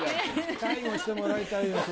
介護してもらいたいよ